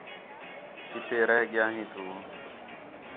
کِتے رہ ڳیا ھیں تُو